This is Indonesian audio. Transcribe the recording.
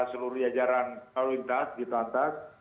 seluruh jajaran lalu lintas di telantas